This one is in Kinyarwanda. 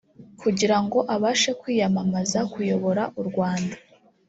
kugira ngo abashe kwiyamamaza kuyobora u Rwanda